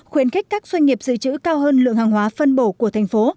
khuyến khích các doanh nghiệp dự trữ cao hơn lượng hàng hóa phân bổ của thành phố